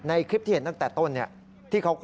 เพราะถูกทำร้ายเหมือนการบาดเจ็บเนื้อตัวมีแผลถลอก